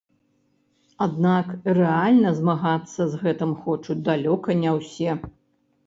Аднак рэальна змагацца з гэтым хочуць далёка не ўсе.